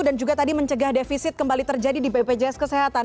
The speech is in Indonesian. dan juga tadi mencegah defisit kembali terjadi di bpjs kesehatan